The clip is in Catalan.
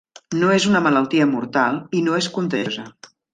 No és una malaltia mortal i no és contagiosa.